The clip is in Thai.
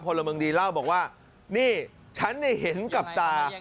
พลเมืองดีเล่าบอกว่านี่ฉันเห็นกับตา